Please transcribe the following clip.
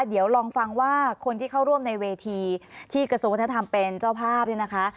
เดี๋ยวลองฟังว่าคนที่เข้าร่วมในเวทีที่กระทรวงวัฒนธรรมเป็นเจ้าภาพเนี่ยนะคะ